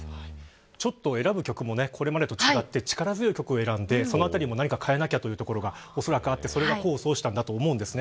ちょっと選ぶ曲もこれまでと違って力強い曲を選んでそのあたりも何か変えなければというところがあって、それが功を奏したんだと思います。